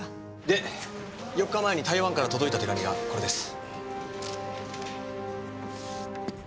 で４日前に台湾から届いた手紙がこれです。